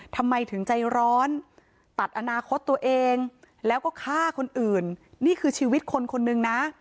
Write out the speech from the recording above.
ทำไมถึงใจร้อนตัดอนาคตตัวเองแล้วก็ฆ่าคนอื่นนี่คือชีวิตคนคนหนึ่งนะ